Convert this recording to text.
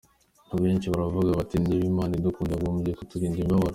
Abenshi baravuga bati “Niba Imana idukunda yagombye kuturinda imibabaro.